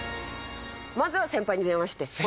まずは先輩に電話して。